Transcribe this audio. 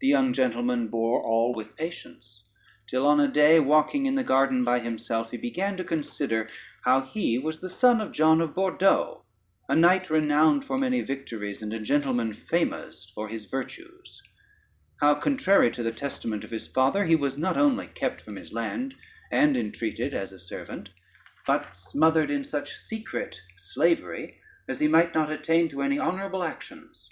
The young gentleman bore all with patience, till on a day, walking in the garden by himself, he began to consider how he was the son of John of Bordeaux, a knight renowned for many victories, and a gentleman famosed for his virtues; how, contrary to the testament of his father, he was not only kept from his land and entreated as a servant, but smothered in such secret slavery, as he might not attain to any honorable actions.